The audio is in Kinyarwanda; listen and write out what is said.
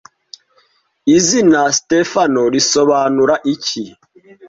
Izina Sitefano risobanura iki